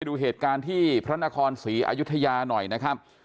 ดูเหตุการณ์ที่พระนครศรีอยุธยาหน่อยนะครับ